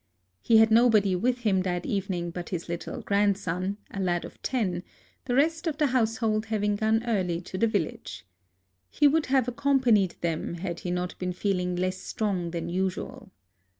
He had nobody with him that evening but his little grandson, a lad of ten ; the rest of the household having gone early to the village. He would have accompanied them had he not been feeling less strong than usual.